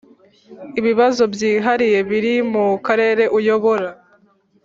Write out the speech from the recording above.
ibibazo byihariye biri mu Karere uyobora